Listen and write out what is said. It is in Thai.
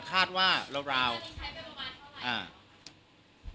ค่าใช้จ่ายเป็นประมาณเท่าไหร่